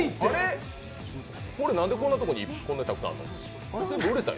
これなんでこんなとこにこんなにたくさんあるの？